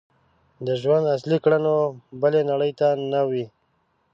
د ژوند اصلي کړنې بلې نړۍ ته نه وي.